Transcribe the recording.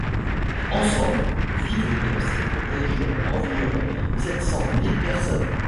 Ensemble, vivent dans cette région environ sept cents mille personnes.